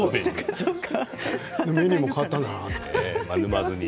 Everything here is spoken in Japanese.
メニューも変わったんだなって。